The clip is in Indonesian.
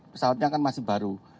pesawatnya kan masih baru